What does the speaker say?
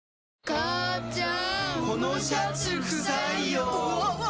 母ちゃん！